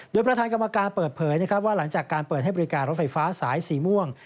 โดยประธานกรรมการเปิดเผยนะครับว่าหลังจากการเปิดให้บริการรถไฟฟ้าสายสีม่วง